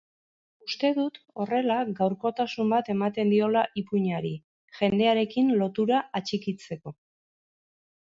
Uste dut horrela gaurkotasun bat ematen diotala ipuinari, jendearekin lotura atxikitzeko.